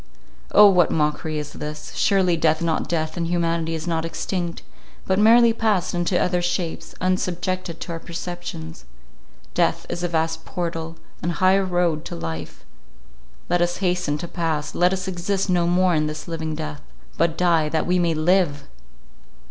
O, what mockery is this! Surely death is not death, and humanity is not extinct; but merely passed into other shapes, unsubjected to our perceptions. Death is a vast portal, an high road to life: let us hasten to pass; let us exist no more in this living death, but die that we may live!